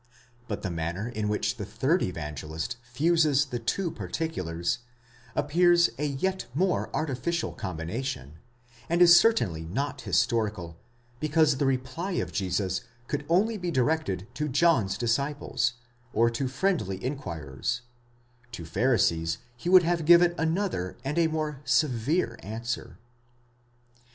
But the manner in which the third Evangelist fuses the two particulars, appears a yet more artificial combination, and is certainly not historical, because the reply of Jesus could only be directed to John's disciples, or to friendly inquirers : to Pharisees, he would have given another and a more severe answer.!